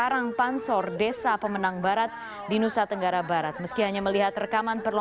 tapi memiliki sejarah sekarang